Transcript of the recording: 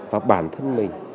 và bản thân mình